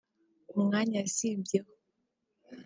umwanya yasimbyeho